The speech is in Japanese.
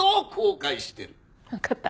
わかった。